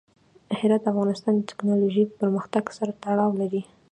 هرات د افغانستان د تکنالوژۍ پرمختګ سره تړاو لري.